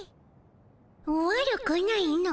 悪くないの。